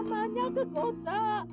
mengusir ratih dari rumahmu